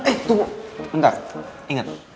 eh tunggu bentar inget